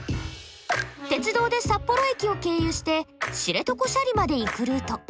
鉄道で札幌駅を経由して知床斜里まで行くルート。